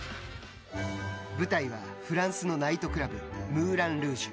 舞台はフランスのナイトクラブムーラン・ルージュ。